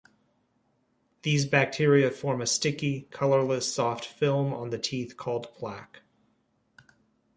These bacteria form a sticky, colorless soft film on the teeth called plaque.